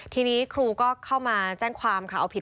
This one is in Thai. ทีนี้ครูก็เข้ามาแจ้งความค่ะเอาผิด